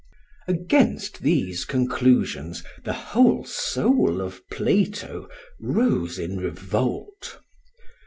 ] Against these conclusions the whole soul of Plato rose in revolt.